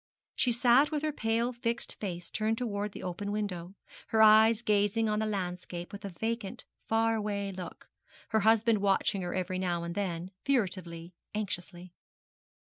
She sat with her pale fixed face turned towards the open window, her eyes gazing on the landscape with a vacant, far away look her husband watching her every now and then, furtively, anxiously.